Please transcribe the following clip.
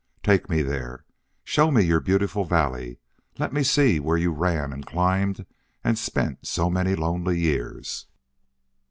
"Take me there. Show me your beautiful valley. Let me see where you ran and climbed and spent so many lonely years."